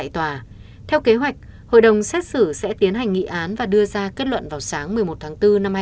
tại kế hoạch hội đồng xét xử sẽ tiến hành nghị án và đưa ra kết luận vào sáng một mươi một tháng bốn năm hai nghìn hai mươi